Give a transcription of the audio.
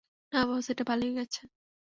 না বস, এটা পালিয়ে গেছে!